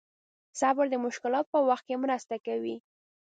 صبر د مشکلاتو په وخت کې مرسته کوي.